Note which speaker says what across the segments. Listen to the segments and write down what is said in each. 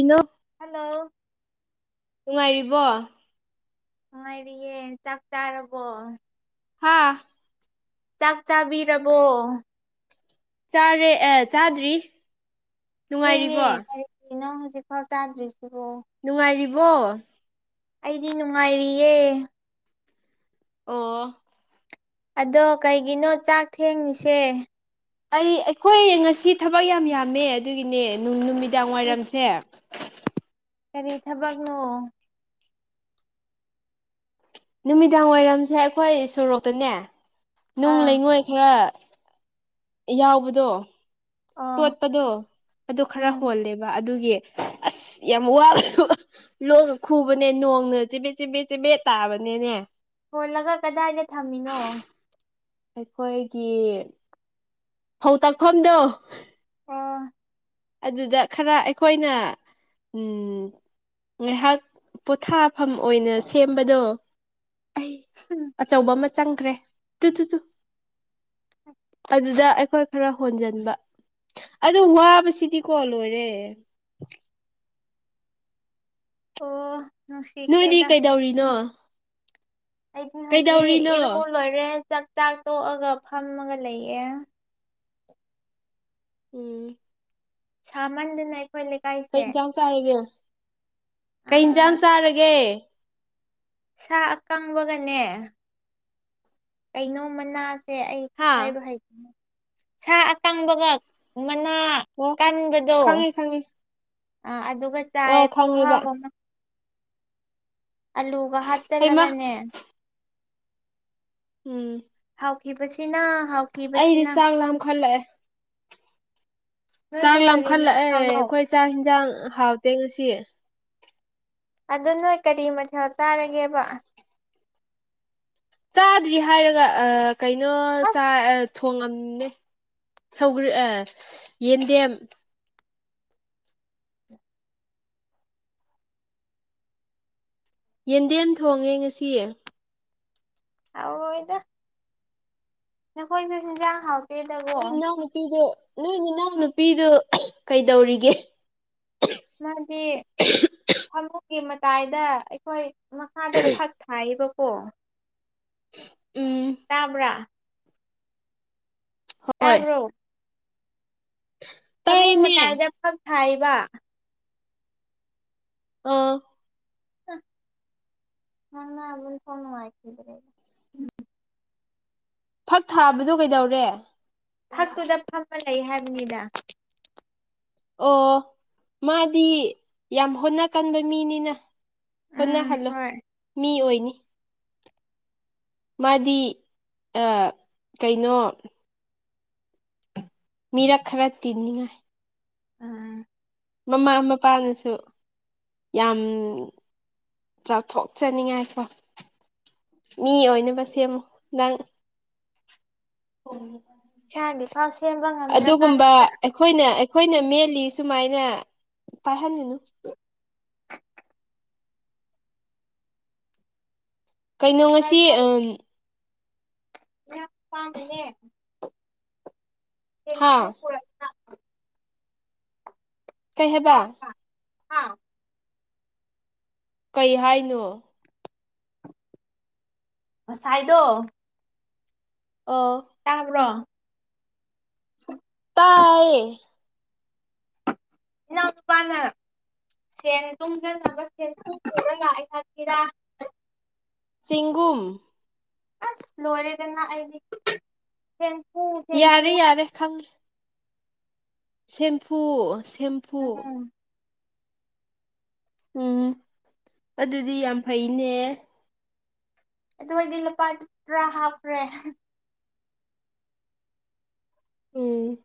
Speaker 1: ꯏꯃꯥ [unintelligible]
Speaker 2: ꯍꯜꯂꯣ
Speaker 1: ꯅꯨꯡꯉꯥꯏꯔꯤꯕꯣ
Speaker 2: ꯉꯥꯏꯔꯤꯌꯦ ꯆꯥꯛ ꯆꯥꯔꯕꯣ
Speaker 1: ꯍꯥꯥ
Speaker 2: ꯆꯥꯛ ꯆꯥꯕꯤꯔꯕꯣ
Speaker 1: ꯆꯥꯔꯦ ꯑꯦ ꯆꯥꯗ꯭ꯔꯤ
Speaker 2: ꯊꯦꯡꯉꯦ
Speaker 1: ꯅꯨꯡꯉꯥꯏꯔꯤꯕꯣ
Speaker 2: ꯀꯔꯤꯒꯤꯅꯣ ꯍꯧꯖꯤꯛꯐꯥꯎ ꯆꯥꯗ꯭ꯔꯤꯁꯤꯕꯣ
Speaker 1: ꯅꯨꯡꯉꯥꯏꯔꯤꯕꯣ
Speaker 2: ꯑꯩꯗꯤ ꯅꯨꯡꯉꯥꯏꯔꯤꯌꯦ
Speaker 1: ꯑꯣ
Speaker 2: ꯑꯗꯣ ꯀꯩꯒꯤꯅꯣ ꯆꯥꯛ ꯊꯦꯡꯉꯤꯁꯦ
Speaker 1: ꯑꯩ ꯑꯩꯈꯣꯏ ꯉꯁꯤ ꯊꯕꯛ ꯌꯥꯝ ꯌꯥꯝꯃꯦ ꯑꯗꯨꯒꯤꯅꯦꯅꯨꯡ ꯅꯨꯃꯤꯗꯥꯡ
Speaker 2: ꯏꯁ
Speaker 1: ꯋꯥꯏꯔꯝꯁꯦ
Speaker 2: ꯀꯔꯤ ꯊꯕꯛꯅꯣ
Speaker 1: ꯅꯨꯃꯤꯗꯥꯡ ꯋꯥꯏꯔꯝꯁꯦ ꯑꯩꯈꯣꯏ ꯁꯣꯔꯣꯛꯇꯅꯦ ꯅꯨꯡ
Speaker 2: ꯑꯥ
Speaker 1: ꯂꯩꯉꯣꯏ ꯈꯔ ꯌꯥꯎꯕꯗꯣ
Speaker 2: ꯑꯣ
Speaker 1: ꯇꯣꯠꯄꯗꯣ ꯑꯗꯨ ꯈꯔ
Speaker 2: ꯎꯝ
Speaker 1: ꯍꯣꯜꯂꯦꯕ ꯑꯗꯨꯒꯤ ꯑꯁ ꯌꯥꯝ ꯋꯥꯕ ꯂꯣꯛꯒ ꯈꯨꯕꯅꯦ ꯅꯣꯡꯅ ꯆꯦꯕꯦꯠ ꯆꯦꯕꯦꯠ ꯆꯦꯕꯦꯠ ꯇꯥꯕꯅꯤꯅꯦ
Speaker 2: ꯍꯣꯜꯂꯒ ꯀꯗꯥꯏꯗ ꯊꯝꯃꯤꯅꯣ
Speaker 1: ꯑꯩꯈꯣꯏꯒꯤ ꯐꯧ ꯇꯥꯛꯐꯝꯗꯣ
Speaker 2: ꯑꯣ
Speaker 1: ꯑꯗꯨꯗ ꯈꯔ ꯑꯩꯈꯣꯏꯅ ꯎꯝ ꯉꯥꯏꯍꯥꯛ ꯄꯣꯊꯥꯐꯝ ꯑꯣꯏꯅ ꯁꯦꯝꯕꯗꯣ ꯑꯩ
Speaker 2: ꯎꯝ [inaudible]
Speaker 1: ꯑꯆꯧꯕ ꯑꯃ ꯆꯪꯈ꯭ꯔꯦ ꯇꯨ ꯇꯨ ꯇꯨ ꯑꯗꯨꯗ ꯑꯩꯈꯣꯏ ꯈꯔ ꯍꯣꯟꯖꯟꯕ ꯑꯗꯨ ꯋꯥꯕꯁꯤ ꯁꯤꯗꯤ ꯂꯣꯏꯔꯦ
Speaker 2: ꯑꯣ
Speaker 1: ꯅꯣꯏꯗꯤ
Speaker 2: ꯅꯨꯡꯁꯤꯈ꯭ꯔꯦꯗ
Speaker 1: ꯀꯩꯗꯧꯔꯤꯅꯣ
Speaker 2: ꯑꯩꯗꯤ ꯍꯧꯖꯤꯛ
Speaker 1: ꯀꯩꯗꯧꯔꯤꯅꯣ
Speaker 2: ꯏꯔꯨ ꯂꯣꯏꯔꯦ ꯆꯥꯛ ꯆꯥꯛ ꯇꯣꯛꯑꯒ ꯐꯝꯃꯒ ꯂꯩꯌꯦ
Speaker 1: ꯎꯝ
Speaker 2: ꯁꯥꯃꯟꯗꯨꯅ ꯑꯩꯈꯣꯏ
Speaker 1: ꯀꯩ
Speaker 2: ꯂꯩꯀꯥꯏꯁꯦ
Speaker 1: ꯏꯟꯁꯥꯡ ꯀꯩ ꯏꯟꯖꯥꯡ
Speaker 2: ꯑꯥ
Speaker 1: ꯆꯥꯔꯒꯦ
Speaker 2: ꯁꯥ ꯀꯪꯕꯒꯅꯦ ꯀꯩꯅꯣ ꯃꯅꯥꯁꯦ ꯑꯩ
Speaker 1: ꯍꯥ
Speaker 2: ꯍꯥꯏꯕ ꯍꯩꯇꯦꯅꯦ ꯁꯥ ꯑꯀꯪꯕꯒ ꯃꯅꯥ
Speaker 1: ꯑꯣ
Speaker 2: ꯀꯟꯕꯗꯣ
Speaker 1: ꯈꯪꯉꯦ ꯈꯪꯉꯦ
Speaker 2: ꯑ ꯑꯗꯨꯒ ꯆꯥꯏ
Speaker 1: ꯑꯣ ꯈꯪꯉꯦꯕ
Speaker 2: ꯈꯨꯍꯥꯎ ꯑꯃ ꯑꯂꯨꯒ
Speaker 1: ꯍꯩꯃ
Speaker 2: ꯍꯥꯞꯆꯜꯂꯒꯅꯦ
Speaker 1: ꯎꯝ
Speaker 2: ꯍꯥꯎꯈꯤꯕꯁꯤꯅ ꯍꯥꯎ
Speaker 1: ꯑꯩꯗꯤ ꯆꯥꯛ ꯂꯝꯈꯠꯂꯛꯑꯦ ꯆꯥꯛ
Speaker 2: ꯅꯣꯏꯕꯨ ꯀꯔꯤ
Speaker 1: ꯂꯝꯈꯠꯂꯛꯑꯦ
Speaker 2: ꯃꯊꯦꯜꯅꯣ
Speaker 1: ꯑꯈꯣꯏ ꯆꯥꯛ ꯍꯤꯟꯖꯥꯡ ꯍꯥꯎꯇꯦ ꯉꯁꯤ
Speaker 2: ꯑꯗꯨ ꯅꯣꯏ ꯀꯔꯤ ꯃꯊꯦꯜ ꯆꯥꯔꯥꯒꯦꯕ
Speaker 1: ꯆꯥꯗ꯭ꯔꯤ ꯍꯥꯏꯔꯒ ꯑꯥ ꯀꯩꯅꯣ ꯆꯥꯏ
Speaker 2: ꯑꯁ
Speaker 1: ꯑꯥ ꯊꯣꯡꯉꯝꯃꯦ ꯁꯧꯒ꯭ꯔꯤ ꯑꯦ ꯌꯦꯟꯗꯦꯝ ꯌꯦꯟꯗꯦꯝ ꯊꯣꯡꯉꯦ ꯉꯁꯤ
Speaker 2: ꯍꯥꯎꯔꯣꯏꯗ ꯅꯈꯣꯏꯁꯨ ꯍꯤꯟꯖꯥꯡ ꯍꯥꯎ
Speaker 1: ꯅꯣꯏ ꯅꯅꯥꯎ ꯅꯨꯄꯤꯗꯨ ꯅꯣꯏ ꯅꯤꯅꯥꯎ ꯅꯨꯄꯤꯗꯨ ꯀꯩꯗꯧꯔꯤꯒꯦ
Speaker 2: ꯃꯥꯗꯤ ꯐꯃꯨꯡꯒꯤ ꯃꯇꯥꯏꯗ ꯑꯩꯈꯣꯏ ꯃꯈꯥꯗ ꯐꯛ ꯊꯥꯏꯌꯦꯕꯀꯣ
Speaker 1: ꯎꯝ
Speaker 2: ꯇꯥꯕ꯭ꯔꯥ
Speaker 1: ꯍꯣꯏ
Speaker 2: ꯇꯥꯕ꯭ꯔꯣ ꯐꯃꯨꯡ
Speaker 1: ꯇꯥꯏꯃꯦ
Speaker 2: ꯃꯇꯥꯏꯗ ꯐꯛ ꯊꯥꯏꯕ
Speaker 1: ꯑꯣ
Speaker 2: ꯍꯥ ꯉꯥꯡꯅꯕ ꯑꯣꯟꯊꯣꯛ ꯅꯨꯉꯥꯏꯈꯤꯗ꯭ꯔꯦ
Speaker 1: ꯐꯛ ꯊꯥꯕꯗꯨ ꯀꯩꯗꯧꯔꯦ
Speaker 2: ꯐꯛꯇꯨꯗ ꯐꯝꯃꯥ ꯂꯩ ꯍꯥꯏꯕꯅꯤꯗ
Speaker 1: ꯑꯣ ꯃꯥꯗꯤ ꯌꯥꯝ ꯍꯣꯠꯅ ꯀꯟꯕ ꯃꯤꯅꯤꯅ
Speaker 2: ꯎꯝ
Speaker 1: ꯍꯣꯠꯅꯍꯜꯂꯣ
Speaker 2: ꯍꯣꯏ
Speaker 1: ꯃꯤ ꯑꯣꯏꯅꯤ ꯃꯥꯗꯤ ꯑꯥ ꯀꯩꯅꯣ ꯃꯤꯔꯛ ꯈꯔ ꯇꯤꯟꯅꯤꯉꯥꯏ
Speaker 2: ꯎꯝ
Speaker 1: ꯃꯃꯥ ꯃꯄꯥꯅꯁꯨ ꯌꯥꯝ ꯆꯥꯎꯊꯣꯛꯆꯅꯤꯡꯉꯥꯏꯀꯣ ꯃꯤ ꯑꯣꯏꯅꯕ ꯁꯦꯝꯃꯨ ꯅꯪ [unintelligible]
Speaker 2: ꯏꯁꯥꯗꯤ ꯐꯥꯎ ꯁꯦꯝꯕ ꯉꯝꯗ꯭ꯔꯥ ꯀꯥꯟꯁꯤꯗ
Speaker 1: ꯍꯣꯏꯅ ꯑꯩꯈꯣꯏꯅ ꯃꯦꯜꯂꯤ ꯁꯨꯃꯥꯏꯅ ꯄꯥꯏꯍꯟꯅꯨꯅꯨ
Speaker 2: [inaudible]
Speaker 1: ꯀꯩꯅꯣ ꯉꯁꯤ
Speaker 2: ꯉꯁꯥꯏꯗꯣ
Speaker 1: ꯑꯝ
Speaker 2: ꯌꯥꯝ ꯄꯥꯝꯅꯅꯦ
Speaker 1: ꯍꯥ
Speaker 2: [unintelligible]
Speaker 1: ꯀꯩ ꯍꯥꯏꯕ
Speaker 2: ꯍꯥꯥ
Speaker 1: ꯀꯩ ꯍꯥꯏꯅꯣ
Speaker 2: ꯉꯁꯥꯏꯗꯣ
Speaker 1: ꯑꯣ
Speaker 2: ꯇꯥꯕ꯭ꯔꯣ [inaudible]
Speaker 1: ꯑꯥꯏꯌꯦ
Speaker 2: ꯏꯅꯥꯎꯅꯨꯄꯥꯅ ꯁꯦꯟ ꯇꯨꯡꯁꯟꯅꯕ ꯁꯦꯟꯐꯨ ꯄꯨꯔꯥ ꯂꯥꯑꯦ ꯍꯥꯏꯕꯒꯤꯔꯥ
Speaker 1: ꯆꯤꯡꯒꯨꯝ
Speaker 2: ꯑꯁ ꯂꯣꯏꯔꯦꯗꯅ ꯑꯩꯗꯤ ꯁꯦꯟꯄꯨ
Speaker 1: ꯌꯥꯔꯦ ꯌꯥꯔꯦ ꯈꯪꯉꯦ ꯁꯦꯝꯐꯨ ꯁꯦꯝꯐꯨ-
Speaker 2: ꯎꯝ
Speaker 1: ꯎꯝ ꯑꯗꯨꯗꯤ ꯌꯥꯝ ꯐꯩꯅꯦ
Speaker 2: ꯑꯗꯨ ꯑꯩꯗꯤ ꯂꯨꯄꯥ ꯈ꯭ꯔꯥ ꯍꯥꯞꯈ꯭ꯔꯦ
Speaker 1: ꯎꯝ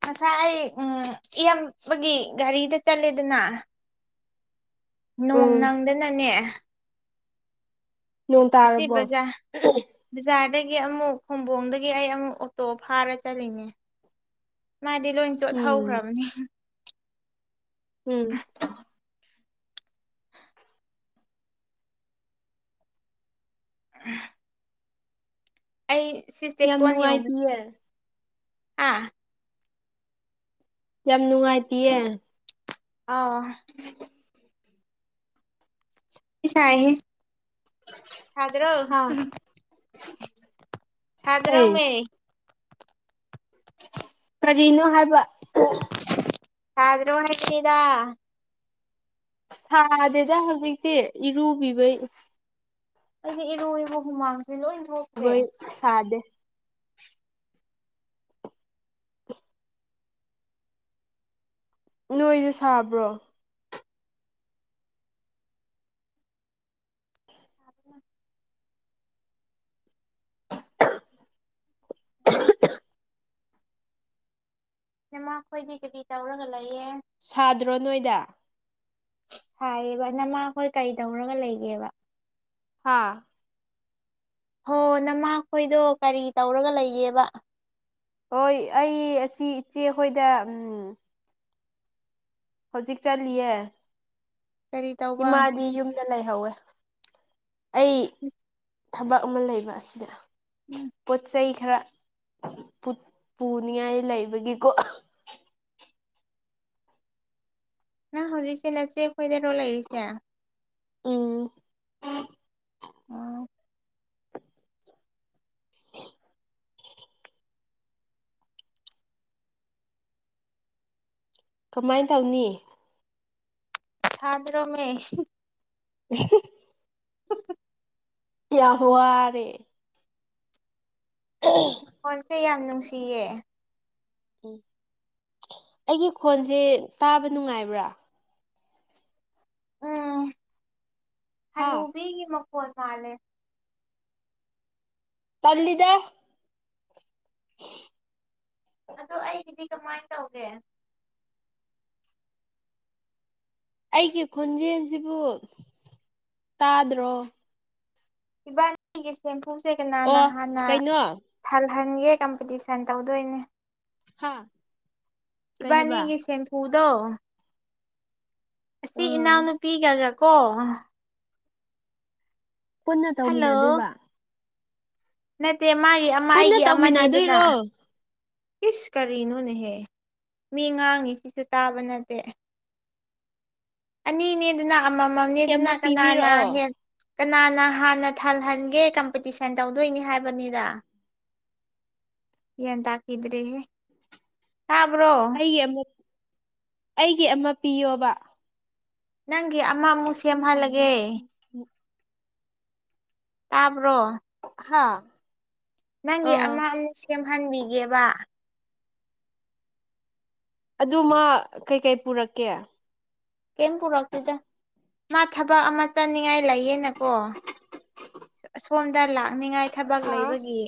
Speaker 2: ꯉꯁꯥꯏ ꯑꯩ ꯎꯝ ꯏꯌꯥꯝꯕꯒꯤ ꯒꯥꯔꯤꯗ ꯆꯠꯂꯦꯗꯅ ꯅꯣꯡ
Speaker 1: ꯎꯝ
Speaker 2: ꯅꯪꯗꯅꯪꯉ‌ꯦ
Speaker 1: ꯅꯣꯡ ꯇꯥꯔꯕꯣ
Speaker 2: ꯑꯁꯤꯕꯖꯥ ꯕꯖꯥꯔꯗꯒꯤ ꯑꯃꯨꯛ ꯈꯣꯡꯕꯣꯡꯗꯒꯤ ꯑꯩ ꯑꯃꯨꯛ ꯑꯣꯇꯣ ꯐꯥꯔ ꯆꯠꯂꯤꯅꯤ ꯃꯥꯗꯤ ꯂꯣꯏ
Speaker 1: ꯎꯝ
Speaker 2: ꯆꯣꯠꯍꯧꯈ꯭ꯔꯕꯅꯤ
Speaker 1: ꯎꯝ
Speaker 2: [unintelligible] [unintelligible] ꯑꯩ ꯁꯤ
Speaker 1: ꯌꯥꯝ
Speaker 2: ꯆꯦꯀꯣꯟ ꯌꯥꯎꯕ
Speaker 1: ꯅꯨꯡꯉꯥꯏꯇꯤꯌꯦ
Speaker 2: ꯑꯥ
Speaker 1: ꯌꯥꯝ ꯅꯨꯡꯉꯥꯏꯇꯤꯌꯦ
Speaker 2: ꯑꯧ
Speaker 1: [unintelligible]
Speaker 2: ꯁꯥꯏꯍ‌ꯦ ꯁꯥꯗꯔꯣ
Speaker 1: ꯍꯥ
Speaker 2: ꯁꯥꯗꯔꯣ
Speaker 1: ꯀꯩ
Speaker 2: ꯃꯤ
Speaker 1: ꯀꯔꯤꯅꯣ ꯍꯥꯏꯕ
Speaker 2: ꯁꯗ꯭ꯔꯣ ꯍꯥꯏꯕꯅꯤꯗ
Speaker 1: ꯁꯥꯗꯦꯗ ꯍꯧꯖꯤꯛꯇꯤ ꯏꯔꯨꯒꯤꯕꯩ
Speaker 2: ꯑꯩꯗꯤ ꯏꯔꯨꯏꯕꯨ ꯍꯨꯃꯥꯡꯁꯦ ꯂꯣꯏ ꯊꯣꯛ
Speaker 1: ꯕꯣꯏ ꯁꯥꯗꯦ ꯅꯣꯏꯗ‌‌ꯣ ꯁꯥꯕ꯭ꯔꯣ
Speaker 2: [inaudible] ꯏꯃꯈꯣꯏꯗꯤ ꯀꯔꯤ ꯇꯧꯔꯒ ꯂꯩꯌꯦ
Speaker 1: ꯁꯥꯗ꯭ꯔꯣ ꯅꯣꯏꯗ
Speaker 2: ꯁꯥꯏꯌꯦꯕ ꯅꯃꯥꯈꯣꯏ ꯀꯔꯤ ꯇꯧꯔꯒ ꯂꯩꯒꯦꯕ
Speaker 1: ꯍꯥꯥ
Speaker 2: ꯍꯣ ꯅꯃꯥꯈꯣꯏꯗꯣ ꯀꯔꯤ ꯇꯧꯔꯒ ꯂꯩꯒꯦꯕ
Speaker 1: ꯍꯣꯏ ꯑꯩ ꯑꯁꯤ ꯏꯆꯦꯈꯣꯏꯗ ꯎꯝ ꯍꯧꯖꯤꯛ ꯆꯠꯂꯤꯌꯦ
Speaker 2: ꯀꯔꯤ ꯇꯧꯕ
Speaker 1: ꯏꯃꯥꯗꯤ ꯌꯨꯝꯗ ꯂꯩꯍꯧꯋꯦ ꯑꯩ ꯊꯕꯛ ꯑꯃ ꯂꯩꯕ ꯑꯁꯤꯗ
Speaker 2: ꯎꯝ
Speaker 1: ꯄꯣꯠ ꯆꯩꯩ ꯈꯔ ꯄꯨꯠ ꯄꯨꯅꯤꯡꯉꯥꯏ ꯂꯩꯕꯒꯤꯀꯣ
Speaker 2: ꯅꯪ ꯍꯧꯖꯤꯛꯁꯦ ꯅꯆꯦ ꯈꯣꯏꯗꯔꯣ ꯂꯩꯔꯤꯁꯦ
Speaker 1: ꯎꯝ
Speaker 2: ꯑ
Speaker 1: [unintelligible] ꯀꯃꯥꯏꯟ ꯇꯧꯅꯤ
Speaker 2: ꯁꯥꯗ꯭ꯔꯣ ꯃꯦ
Speaker 1: [unintelligible]
Speaker 2: [unintelligible]
Speaker 1: ꯌꯥꯝ ꯋꯥꯔꯦ
Speaker 2: ꯈꯣꯟꯁꯦ ꯌꯥꯝ ꯅꯨꯡꯁꯤꯌꯦ
Speaker 1: [unintelligible] ꯑꯩꯒꯤ ꯈꯣꯟꯁꯦ ꯇꯥꯕ ꯅꯨꯡꯉꯥꯏꯕ꯭ꯔꯥ
Speaker 2: ꯎꯝ
Speaker 1: ꯍꯥ
Speaker 2: ꯍꯅꯨꯕꯤꯒꯤ ꯃꯈꯣꯟ ꯃꯥꯜꯂꯦ
Speaker 1: ꯇꯜꯂꯤꯗ
Speaker 2: ꯑꯗꯣ ꯑꯩꯒꯤꯗꯤ ꯀꯃꯥꯏꯟ ꯇꯧꯒꯦ
Speaker 1: ꯑꯩꯒꯤ ꯈꯣꯟꯖꯦꯟꯁꯤꯕꯨ ꯇꯥꯗ꯭ꯔꯣ
Speaker 2: ꯏꯕꯥꯅꯤꯒꯤ ꯁꯦꯝꯐꯨ ꯁꯦ ꯀꯅꯥꯅ
Speaker 1: ꯑꯣ
Speaker 2: ꯍꯥꯟꯅ
Speaker 1: ꯀꯩꯅꯣ
Speaker 2: ꯊꯜꯍꯟꯒꯦ ꯀꯝꯄꯤꯇꯤꯁꯟ ꯇꯧꯗꯣꯏꯅꯦ
Speaker 1: ꯍꯥ ꯀꯩ ꯍꯥꯏꯕ
Speaker 2: ꯏꯕꯥꯅꯤꯒꯤ ꯁꯦꯝꯐꯨꯗꯣ ꯑꯁꯤ
Speaker 1: ꯎꯝ
Speaker 2: ꯏꯅꯥꯎꯅꯨꯄꯤꯒ [unintelligible] ꯀꯣ
Speaker 1: ꯄꯨꯟꯅ
Speaker 2: ꯍꯜꯂꯣ
Speaker 1: ꯇꯧꯃꯤꯟꯅꯗꯣꯏꯕ
Speaker 2: ꯅꯠꯇꯦ ꯃꯥꯒꯤ ꯑꯃ
Speaker 1: ꯄꯨꯟꯅ
Speaker 2: ꯑꯩꯒꯤ ꯑꯃꯅꯦ ꯗꯅ
Speaker 1: ꯇꯧꯃꯤꯟꯅꯗꯣꯏꯔꯣ
Speaker 2: ꯏꯁ ꯀꯔꯤꯅꯣꯅꯦꯍꯦ ꯃꯤ ꯉꯥꯡꯉꯤ ꯁꯤꯁꯨ ꯇꯥꯕ ꯅꯠꯇꯦ ꯑꯅꯤꯅꯦꯗꯅ
Speaker 1: ꯑꯩ
Speaker 2: ꯑꯃꯃꯝꯅꯦꯗꯅ
Speaker 1: ꯑꯃ
Speaker 2: ꯀꯅꯥꯅ
Speaker 1: ꯄꯤꯕꯤꯔꯛꯑꯣ
Speaker 2: ꯍꯦꯟ ꯀꯅꯥꯅ ꯍꯥꯟꯅ ꯊꯜꯍꯟꯒꯦ ꯀꯝꯄꯤꯇꯤꯁꯟ ꯇꯧꯗꯣꯏꯅꯤ ꯍꯥꯏꯕꯅꯤꯗ ꯒ꯭ꯌꯥꯟ ꯇꯥꯈꯤꯗ꯭ꯔꯦꯍꯦ ꯇꯥꯕ꯭ꯔꯣ
Speaker 1: [unintelligible] ꯑꯩꯒꯤ ꯑꯃ ꯄꯤꯌꯣꯕ
Speaker 2: ꯅꯪꯒꯤ ꯑꯃ ꯃꯨꯁ
Speaker 1: [unintelligible]
Speaker 2: ꯇꯥꯕ꯭ꯔꯣ
Speaker 1: ꯍꯥꯥ
Speaker 2: ꯅꯪꯒꯤ ꯑꯃ ꯑꯃꯨꯛ ꯁꯦꯝꯍꯟꯕꯤꯒꯦꯕ
Speaker 1: ꯑꯗꯨ ꯃꯥ ꯀꯩ ꯀꯩ ꯄꯨꯔꯛꯀꯦ
Speaker 2: ꯀꯦꯝ ꯄꯨꯔꯛꯇꯦꯗ ꯃꯥ ꯊꯕꯛ ꯑꯃ ꯆꯠꯅꯤꯉꯥꯏ ꯂꯩꯌꯦꯅꯀꯣ ꯑꯁꯣꯟꯗ ꯂꯥꯛꯅꯤꯡꯉꯥꯏ ꯊꯕꯛ
Speaker 1: ꯍꯥ
Speaker 2: ꯂꯩꯕꯒꯤ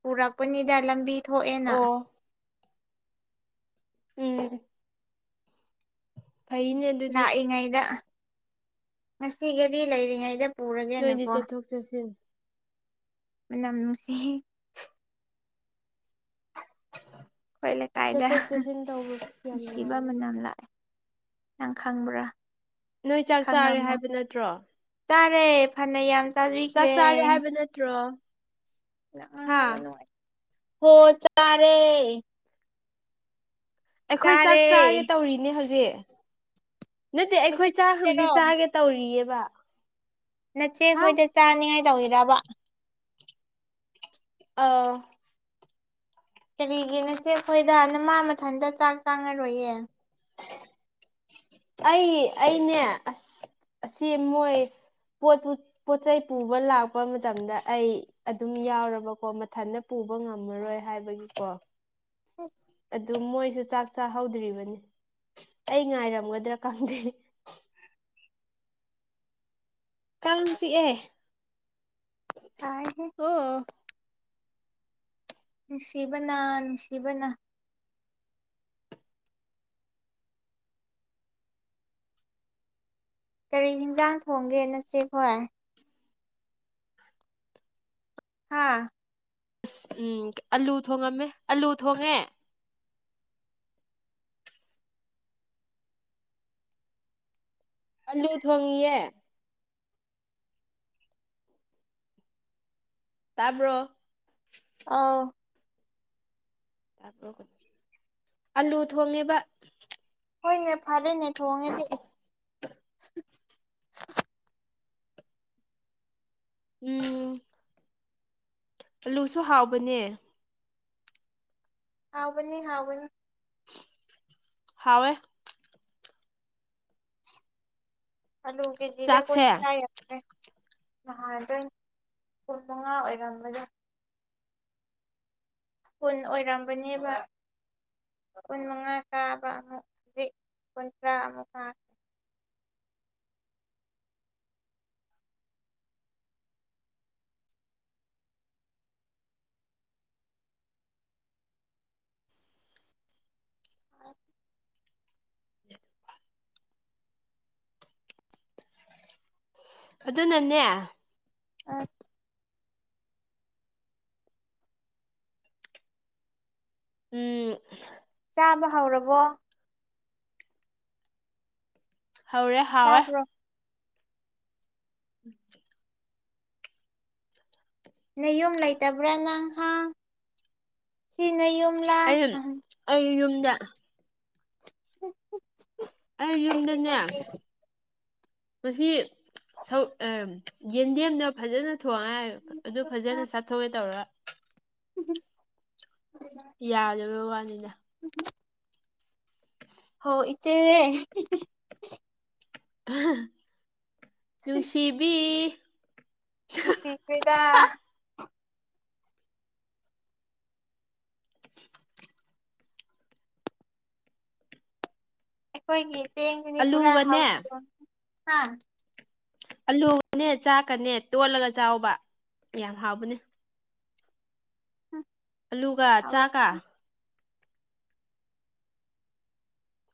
Speaker 2: ꯄꯨꯔꯛꯄꯅꯤꯗ ꯂꯝꯕꯤ ꯊꯣꯛꯑꯦꯅ
Speaker 1: ꯑꯣ ꯎꯝ ꯐꯩꯅꯦ ꯑꯗꯨꯗꯤ
Speaker 2: ꯂꯥꯛꯏꯉꯩꯗ ꯉꯁꯤꯒꯗꯤ ꯂꯩꯔꯤꯉꯩꯗ
Speaker 1: ꯅꯣꯏꯗꯤ
Speaker 2: ꯄꯨꯔꯒꯦꯅꯀꯣ
Speaker 1: ꯆꯠꯊꯣꯛ ꯆꯠꯁꯤꯟ
Speaker 2: ꯃꯅꯝ ꯅꯨꯡꯁꯤ ꯑꯩꯈꯣꯏ ꯂꯩꯀꯥꯏꯗ
Speaker 1: ꯆꯠꯊꯣꯛ ꯆꯠꯁꯤꯟ ꯇꯧꯕ ꯌꯥꯝ
Speaker 2: ꯅꯨꯡꯁꯤꯕ
Speaker 1: ꯅꯨꯡꯉꯥꯏꯅꯦ
Speaker 2: ꯃꯅꯝ ꯂꯥꯛꯑꯦ ꯅꯪ ꯈꯪꯕ꯭ꯔꯥ
Speaker 1: ꯅꯣꯏ ꯆꯥꯛ ꯆꯥꯔꯦ
Speaker 2: ꯈꯪꯉꯝꯃꯣ
Speaker 1: ꯍꯥꯏꯕ ꯅꯠꯇ꯭ꯔꯣ
Speaker 2: ꯆꯥꯔꯦ ꯐꯅꯌꯥꯝ
Speaker 1: ꯆꯥꯛ
Speaker 2: ꯆꯥꯕꯤꯈ꯭ꯔꯦ
Speaker 1: [unintelligible] ꯅꯠꯇ꯭ꯔꯣ ꯍꯥ
Speaker 2: [unintelligible] ꯍꯣ ꯆꯥꯔꯦ
Speaker 1: ꯑꯩꯈꯣꯏ ꯆꯥꯛ
Speaker 2: ꯆꯥꯔꯦ
Speaker 1: ꯆꯥꯒꯦ ꯇꯧꯔꯤꯅꯦ ꯍꯧꯖꯤꯛ ꯅꯠꯇꯦ ꯑꯩꯈꯣꯏ ꯆꯥꯛ ꯍꯧꯖꯤꯛ
Speaker 2: ꯅꯆꯦꯔꯣ
Speaker 1: ꯆꯥꯒꯦ ꯇꯧꯔꯤꯌꯦꯕ
Speaker 2: ꯅꯆꯦ
Speaker 1: ꯍꯥ
Speaker 2: ꯈꯣꯏꯗ ꯆꯥꯅꯤꯉꯥꯏ ꯇꯧꯔꯤꯔꯥꯕ
Speaker 1: ꯑꯧ
Speaker 2: ꯀꯔꯤꯒꯤ ꯅꯁꯦ ꯈꯣꯏꯗ ꯅꯃꯥ ꯃꯊꯟꯗ ꯆꯥꯛ ꯆꯥꯔꯔꯣꯏꯌꯦ
Speaker 1: ꯑꯩ ꯑꯩꯅꯦ ꯑꯁ ꯑꯁꯤ ꯃꯣꯏ ꯄꯣꯠꯄꯨ ꯄꯣꯠꯆꯩꯩ ꯄꯨꯕ ꯂꯥꯛꯄ ꯃꯇꯝꯗ ꯑꯩ ꯑꯗꯨꯝ ꯌꯥꯎꯔꯕꯀꯣ ꯃꯊꯟꯅ ꯄꯨꯕ ꯉꯝꯃꯔꯣꯏ ꯍꯥꯏꯕꯒꯤꯀꯣ
Speaker 2: [unintelligible]
Speaker 1: ꯑꯗꯨ ꯃꯣꯏꯁꯨ ꯆꯥꯛ ꯆꯥꯍꯧꯗ꯭ꯔꯤꯕꯅꯤ ꯑꯩ ꯉꯥꯏꯔꯝꯒꯗ꯭ꯔꯥ ꯈꯪꯗꯦ ꯀꯥꯡꯆꯤꯛꯑꯦ
Speaker 2: ꯁꯥꯏꯍꯦ
Speaker 1: ꯑꯣ
Speaker 2: ꯅꯨꯡꯁꯤꯕꯅ ꯅꯨꯡꯁꯤꯕꯅ ꯀꯔꯤ ꯍꯟꯖꯥꯡ ꯊꯣꯡꯒꯦ ꯅꯆꯦꯈꯣꯏ ꯍꯥꯥ
Speaker 1: ꯑꯁ ꯎꯝ ꯑꯂꯨ ꯊꯣꯡꯉꯝꯃꯦ ꯑꯂꯨ ꯊꯣꯡꯉꯦ ꯑꯂꯨ ꯊꯣꯡꯉꯌꯦ ꯇꯥꯕ꯭ꯔꯣ
Speaker 2: ꯑꯧ
Speaker 1: ꯑꯂꯨ ꯊꯣꯡꯉꯦꯕ
Speaker 2: ꯍꯣꯏꯅꯦ ꯐꯔꯦꯅꯦ ꯊꯣꯡꯉꯗꯤ
Speaker 1: [inaudible] ꯎꯝ ꯑꯂꯨꯁꯨ ꯍꯥꯎꯕꯅꯦ
Speaker 2: ꯍꯥꯎꯕꯅꯤ ꯍꯥꯎꯕꯅꯤ
Speaker 1: ꯍꯥꯎꯋ‌ꯦ
Speaker 2: ꯑꯜꯂꯨ ꯀꯦꯖꯤꯗ
Speaker 1: ꯆꯥꯛꯁꯦ
Speaker 2: ꯀꯣꯟꯊ ꯌꯧꯈ꯭ꯔ‌ꯦ ꯅꯍꯥꯟꯗꯣ ꯀꯨꯟ ꯃꯉꯥ ꯑꯣꯏꯔꯝꯂꯒ ꯀꯨꯟ ꯑꯣꯏꯔꯝꯕꯅꯦꯕ ꯀꯨꯟ ꯃꯉꯥ ꯀꯥꯕ ꯑꯃꯨꯛ ꯍꯧꯖꯤꯛ ꯀꯨꯟꯊ꯭ꯔꯥ ꯑꯃꯨꯛ ꯍꯥ
Speaker 1: ꯑꯗꯨꯅꯅꯦ
Speaker 2: ꯑ
Speaker 1: ꯎꯝ
Speaker 2: ꯆꯥꯕ ꯍꯧꯔꯕꯣ
Speaker 1: ꯍꯧꯔꯦ ꯍꯥꯎꯋ‌ꯦ
Speaker 2: ꯇꯥꯕ꯭ꯔꯣ
Speaker 1: [unintelligible]
Speaker 2: ꯅꯌꯨꯝ ꯂꯩꯇꯕ꯭ꯔꯥ ꯅꯪꯍꯥꯟ ꯁꯤ ꯅꯌꯨꯝ
Speaker 1: ꯑ ꯑꯩ ꯌꯨꯝꯗ
Speaker 2: [unintelligible]
Speaker 1: ꯑꯩ ꯌꯨꯝꯗꯅꯦ ꯃꯁꯤ ꯌꯦꯟꯗꯦꯝꯅ ꯐꯖꯅ ꯊꯣꯡꯉꯥꯏ ꯑꯗꯨ ꯐꯖꯅ ꯆꯥꯊꯣꯛꯀꯦ ꯇꯧꯔꯥ
Speaker 2: [unintelligible]
Speaker 1: ꯌꯥꯗꯕ ꯋꯥꯅꯤꯅ
Speaker 2: [unintelligible] ꯍ‌ꯣ ꯏꯆꯦ
Speaker 1: ꯅꯨꯡꯁꯤꯕꯤ
Speaker 2: ꯅꯨꯡꯁꯤꯈ꯭ꯔ‌ꯦꯗ ꯑꯩꯈꯣꯏꯒꯤ ꯆꯦꯡꯁꯤꯗꯤ ꯄꯨꯔꯥ
Speaker 1: ꯑꯂꯨꯒꯅꯦ
Speaker 2: ꯍꯥꯎꯁꯐꯨꯟ ꯍꯥ
Speaker 1: ꯑꯂꯨꯒꯅꯦ ꯆꯥꯛꯀꯅꯦ ꯇꯣꯠꯂꯒ ꯆꯥꯎꯕ ꯌꯥꯝ ꯍꯥꯎꯕꯅꯦ
Speaker 2: [unintelligible]
Speaker 1: ꯑꯂꯨꯒ
Speaker 2: ꯍꯥꯎꯔꯅꯤ
Speaker 1: ꯆꯥꯀ